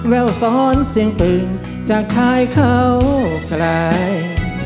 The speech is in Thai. แววซ้อนเสียงปืนจากชายเขาไกล